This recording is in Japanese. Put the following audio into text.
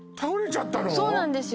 そうなんですよ